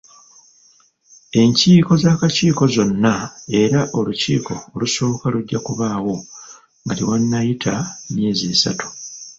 Enkiiko z'Akakiiko zonna era olukiiko olusooka lujja kubaawo nga tewannayita myezi esatu.